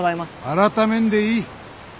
改めんでいい。